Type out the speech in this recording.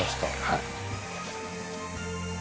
はい。